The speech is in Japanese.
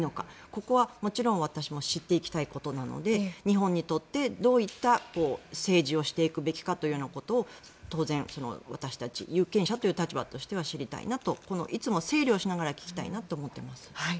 ここは、もちろん私も知っていきたいことなので日本にとってどういった政治をしていくべきかということを当然、私たち有権者という立場としては知りたいなといつも整理をしながら聞きたいなと思っています。